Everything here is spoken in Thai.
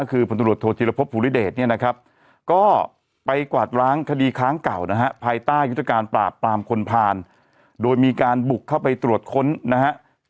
คือพลตรวจโทษธิรพบภูริเดชเนี่ยนะครับก็ไปกวาดร้างคดีค้างเก่านะฮะภายใต้ยุทธการปราบปรามคนพานโดยมีการบุกเข้าไปตรวจค้นนะฮะ